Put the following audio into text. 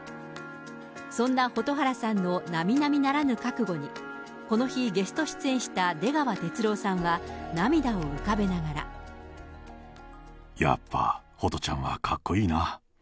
そんな蛍原さんのなみなみならぬ覚悟に、この日、ゲスト出演した出川哲朗さんは、やっぱ、ホトちゃんはかっこいいな。